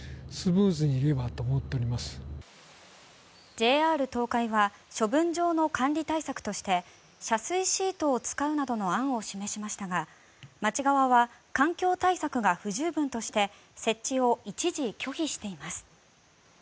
ＪＲ東海は処分場の管理対策として遮水シートを使うなどの案を示しましたが町側は環境対策が不十分として設置を一時拒否しています。